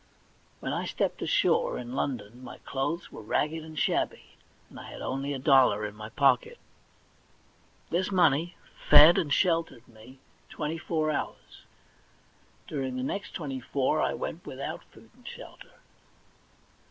When I stepped ashore m London my clothes were ragged and shabby, and I had only a dollar in my pocket. This money fed and B 2 THE £1,000,000 BANK NOTE sheltered me twenty four hours. During the next twenty four I went without food and shelter.